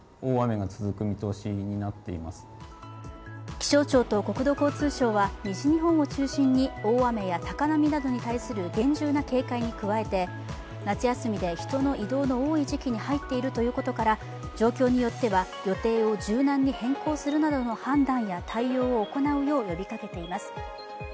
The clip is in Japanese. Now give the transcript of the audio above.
気象庁と国土交通省は西日本を中心に、大雨や高波などに対する厳重な警戒に加えて夏休みで人の移動の多い時期に入っていることから状況によっては予定を柔軟に変更するなどの判断や対応を行うよう呼びかけています。